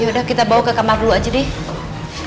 ya udah kita bawa ke kamar dulu aja deh